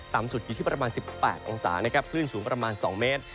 สุดอยู่ที่ประมาณ๑๘องศานะครับคลื่นสูงประมาณ๒เมตร